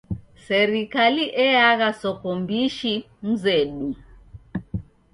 Serikali eagha soko mbishi mzedu.